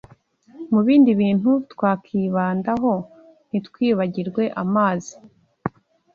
mubindi bintu twakibandaho ntitwibagirwe amazi